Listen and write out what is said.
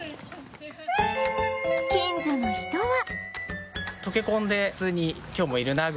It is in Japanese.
近所の人は